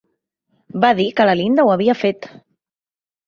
Va dir que la Linda ho havia fet!